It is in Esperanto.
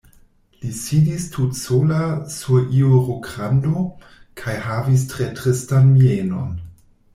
Li sidis tutsola sur iu rokrando, kaj havis tre tristan mienon.